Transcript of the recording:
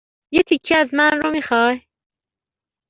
یه تکه از من رو میخای؟